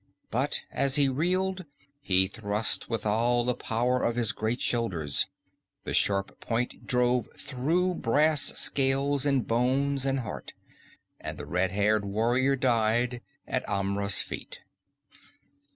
But as he reeled he thrust with all the power of his great shoulders. The sharp point drove through brass scales and bones and heart, and the red haired warrior died at Amra's feet.